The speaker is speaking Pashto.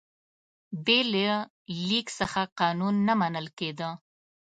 بې له لیک څخه قانون نه منل کېده.